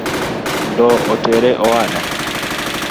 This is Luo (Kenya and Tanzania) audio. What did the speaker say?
Ndoo otore owada